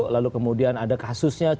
lalu kemudian ada kasusnya